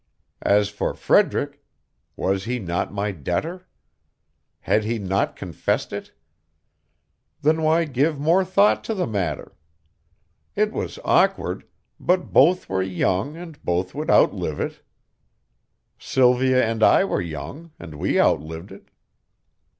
As for Frederick, was he not my debtor? Had he not confessed it? Then why give more thought to the matter? It was awkward, but both were young and both would outlive it. Sylvia and I were young, and we outlived it.